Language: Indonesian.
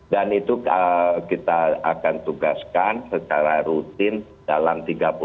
dan itu kita akan tugaskan secara rutin dalam tiga puluh hari ini sampai